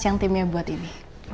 yang timnya buat ini